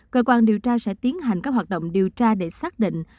cơ quan điều tra sẽ tiến hành các hoạt động điều tra để xác định